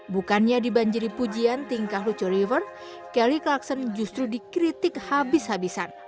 bukannya dibanjiri pujian tingkah lucu river kelly klakson justru dikritik habis habisan